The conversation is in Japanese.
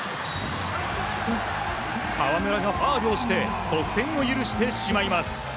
河村がファウルをして得点を許してしまいます。